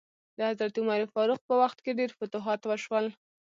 د حضرت عمر فاروق په وخت کې ډیر فتوحات وشول.